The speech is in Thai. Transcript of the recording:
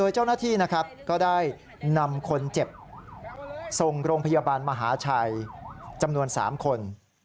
เจ้าหน้าที่ก็ได้นำคนเจ็บส่งโรงพยาบาลมหาชัยจำนวน๓คน